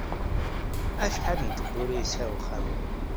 Acḥal n tewwura yesɛa uxxam-a?